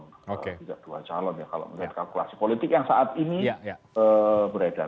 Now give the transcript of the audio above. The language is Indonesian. kalau tidak dua calon ya kalau melihat kalkulasi politik yang saat ini beredar